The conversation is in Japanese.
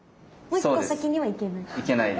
もう一個先には行けない？